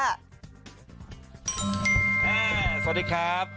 สวัสดีครับ